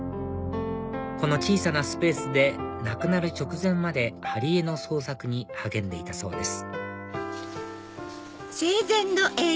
この小さなスペースで亡くなる直前まで貼り絵の創作に励んでいたそうです